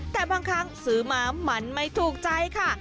แต่บางครั้งซื้อมามันไม่ถูกใจค่ะ